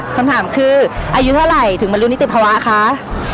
คำถามคืออายุเท่าไหร่ถึงบรรลุนิติภาวะคะ